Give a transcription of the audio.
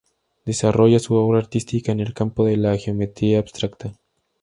Desarrolla su obra artística en el campo de la geometría abstracta.